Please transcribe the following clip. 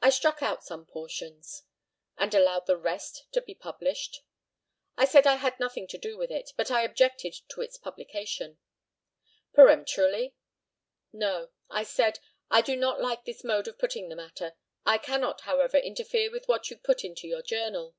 I struck out some portions. And allowed the rest to be published? I said I had nothing to do with it, but I objected to its publication. Peremptorily? No; I said, "I do not like this mode of putting the matter. I cannot, however, interfere with what you put into your journal."